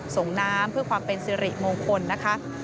ส่งน้ำเพื่อความเป็นสิริมงคลนะคะ